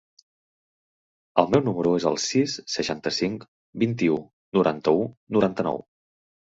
El meu número es el sis, seixanta-cinc, vint-i-u, noranta-u, noranta-nou.